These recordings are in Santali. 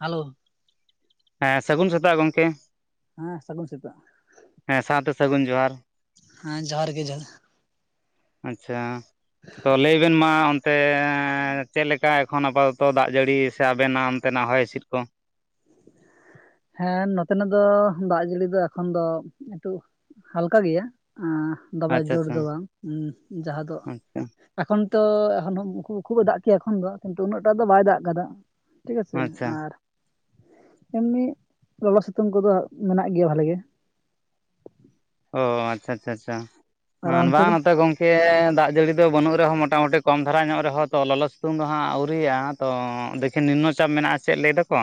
ᱦᱮᱞᱳ ᱦᱮᱸ ᱥᱟᱹᱜᱩᱱ ᱥᱮᱛᱟᱜ ᱜᱚᱝᱠᱮ ᱦᱮᱸ ᱥᱟᱹᱜᱩᱱ ᱥᱮᱛᱟᱜ ᱥᱟᱶᱛᱮ ᱥᱟᱹᱜᱩᱱ ᱡᱚᱦᱟᱨ ᱦᱮᱸ ᱡᱚᱦᱟᱨ ᱜᱮ ᱡᱚᱦᱟᱨ ᱟᱪᱪᱷᱟ ᱛᱚ ᱞᱟᱹᱭ ᱵᱮᱱ ᱢᱟ ᱚᱱ ᱛᱮᱻ ᱪᱮᱫ ᱞᱮᱠᱟ ᱮᱠᱷᱚᱱ ᱟᱯᱟᱛᱚᱛᱚ ᱫᱟᱜ ᱡᱟᱹᱲᱤ ᱥᱮ ᱟᱵᱮᱱᱟᱜ ᱚᱱᱛᱮᱱᱟᱜ ᱦᱚᱭ ᱦᱤᱸᱥᱤᱫ ᱠᱚ [unintelligible] ᱦᱮᱸ ᱱᱚᱛᱮᱱᱟᱜ ᱫᱚ ᱫᱟᱜ ᱡᱟᱹᱲᱤ ᱫᱚ ᱮᱠᱷᱚᱱ ᱫᱚ ᱮᱴᱩ ᱦᱟᱞᱠᱟ ᱜᱮᱭᱟ᱾ ᱫᱚᱢᱮ ᱟᱪᱪᱷᱟ ᱡᱳᱨ ᱟᱪᱪᱷᱟ ᱫᱚ ᱵᱟᱝ ᱡᱟᱦᱟᱸ ᱫᱚ ᱟᱪᱪᱷᱟ ᱮᱠᱷᱚᱱ ᱛᱚ ᱮᱠᱷᱚᱱᱩᱵ ᱮ ᱫᱟᱜ ᱠᱮᱭᱟ ᱮᱠᱷᱚᱱ ᱫᱚ ᱠᱤᱱᱛᱩ ᱩᱱᱟᱹᱜ ᱴᱟᱜ ᱫᱚ ᱵᱟᱭ ᱫᱟᱜ ᱟᱠᱟᱫᱟ᱾ ᱴᱷᱤᱠ ᱟᱪᱮ ᱟᱪᱪᱷᱟ ᱟᱨ ᱮᱢᱱᱤ ᱞᱚᱞᱚ ᱥᱤᱛᱩᱝ ᱠᱚᱫᱚ ᱢᱮᱱᱟᱜ ᱜᱮᱭᱟ᱾ ᱵᱷᱟᱞᱮ ᱜᱮ ᱚ ᱟᱪᱪᱷᱟ ᱟᱪᱪᱷᱟ ᱟᱪᱪᱷᱟ ᱟᱨ ᱵᱟᱝ ᱚᱱᱛᱮ ᱫᱚ ᱱᱚᱛᱮ ᱜᱚᱝᱠᱮ ᱫᱟᱜ ᱡᱟᱹᱲᱤ ᱫᱚ ᱵᱟᱹᱱᱩᱜ ᱨᱮᱦᱚᱸ ᱢᱚᱴᱟᱢᱩᱴᱤ ᱠᱚᱢ ᱫᱷᱟᱨᱟ ᱧᱚᱜ ᱨᱮᱦᱚᱸ ᱛᱚ ᱞᱚᱞᱚ ᱥᱤᱛᱩᱝ ᱫᱚ ᱦᱟᱸᱜ ᱟᱹᱣᱨᱤᱭᱟ ᱛᱚ ᱫᱮᱠᱷᱤᱱ ᱱᱤᱱᱱᱚ ᱪᱟᱯ ᱢᱮᱱᱟᱜᱼᱟ᱾ ᱪᱮᱫ ᱞᱟᱹᱭ ᱫᱟᱠᱚ?